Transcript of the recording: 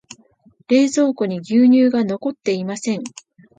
冷蔵庫に牛乳が残っていません。